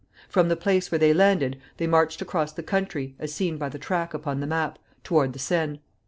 From the place where they landed they marched across the country, as seen by the track upon the map, toward the Seine.